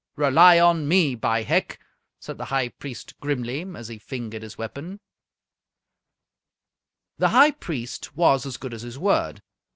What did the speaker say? "Rely on me, by Hec!" said the High Priest grimly, as he fingered his weapon. The High Priest was as good as his word.